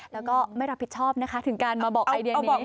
แล้วก็ไม่รับผิดชอบนะคะถึงการมาบอกไอเดียก็บอกว่า